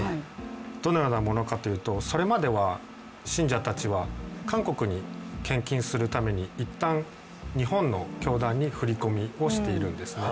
どのようなものかというと、それまでは信者たちは韓国に献金するために一旦、日本の教団に振り込みをしているんですね。